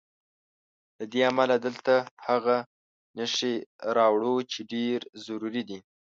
له دې امله دلته هغه نښې راوړو چې ډېرې ضروري دي.